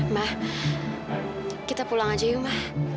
mbak kita pulang aja yuk ma